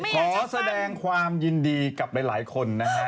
ขอแสดงความยินดีกับหลายคนนะฮะ